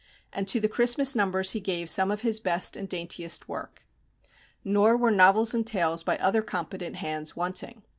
And to the Christmas numbers he gave some of his best and daintiest work. Nor were novels and tales by other competent hands wanting.